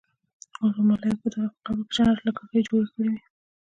اوس به ملايکو د هغه په قبر کې جنت له کړکۍ جوړ کړې وي.